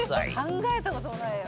考えた事もないよ。